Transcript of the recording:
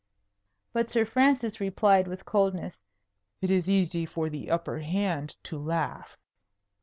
But Sir Francis replied with coldness, "It is easy for the upper hand to laugh."